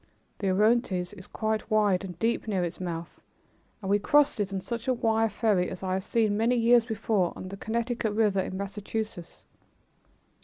The Orontes is quite wide and deep near its mouth and we crossed it on just such a wire ferry as I had seen many years before on the Connecticut River in Massachusetts.